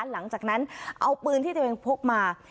หลังจากนั้นเอาปืนที่ตัวเองพกมา